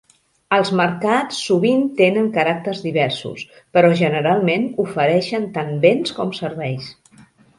Els mercats sovint tenen caràcters diversos, però generalment ofereixen tant béns com serveis.